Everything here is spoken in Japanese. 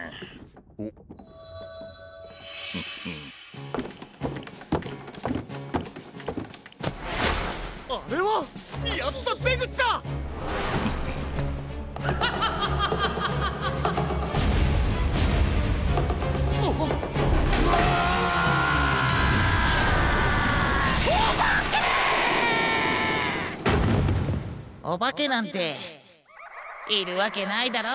いそうおばけなんているわけないだろ？